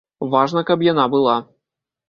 Важна, каб яна была.